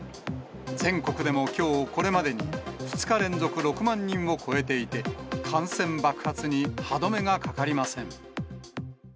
全国でもきょう、これまでに２日連続６万人を超えていて、感染爆発に歯止めがかかりません。